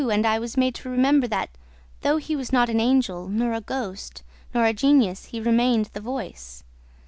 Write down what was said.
and I was made to remember that, though he was not an angel, nor a ghost, nor a genius, he remained the voice